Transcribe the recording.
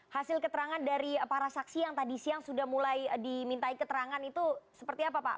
hasil keterangan dari para saksi yang tadi siang sudah mulai dimintai keterangan itu seperti apa pak